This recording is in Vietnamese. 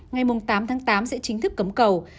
ngày tám tháng tám sẽ chính thức cấm cầu